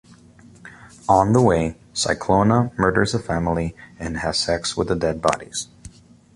On the way, Cyclona murders a family and has sex with the dead bodies.